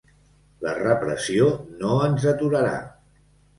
La repressió no ens aturarà.